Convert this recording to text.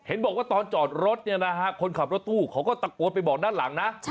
เห็นบอกว่าตอนจอดรถเนี่ยนะฮะคนขับรถตู้เขาก็ตะโกนไปบอกด้านหลังนะ